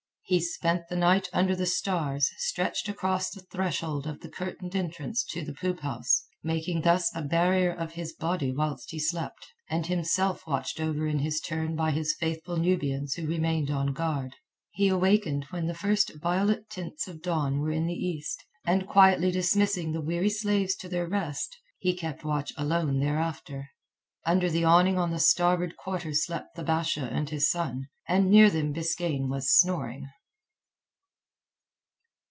He spent the night under the stars, stretched across the threshold of the curtained entrance to the poop house, making thus a barrier of his body whilst he slept, and himself watched over in his turn by his faithful Nubians who remained on guard. He awakened when the first violet tints of dawn were in the east, and quietly dismissing the weary slaves to their rest, he kept watch alone thereafter. Under the awning on the starboard quarter slept the Basha and his son, and near them Biskaine was snoring.